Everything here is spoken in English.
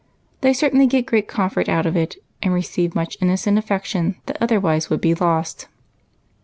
They certainly get great comfort out of it, and receive much innocent affection that otherwise would be lost.